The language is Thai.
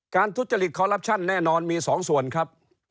ทุจริตคอลลับชั่นแน่นอนมี๒ส่วนครับ